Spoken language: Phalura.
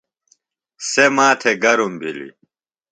سےۡ ماتھےۡ گرم بِھلیۡ۔